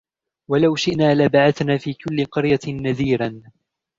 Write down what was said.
ولو شئنا لبعثنا في كل قرية نذيرا